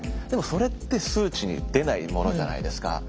でもそれって数値に出ないものじゃないですか。